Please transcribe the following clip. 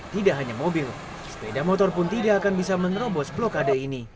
tidak hanya mobil sepeda motor pun tidak akan bisa menerobos blokade ini